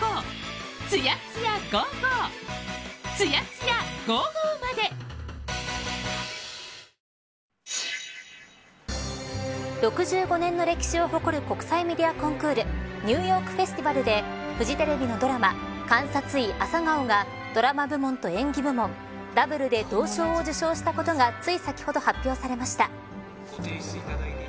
また最新型とみられるＳＬＢＭ６５年の歴史を誇る国際メディアコンクールニューヨークフェスティバルでフジテレビのドラマ監察医朝顔がドラマ部門と演技部門ダブルで銅賞を受賞したことがつい先ほど発表されました。